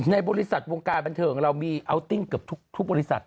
ในบริษัทวงการบันเทิงของเรามีอัลติ้งเกือบทุกบริษัท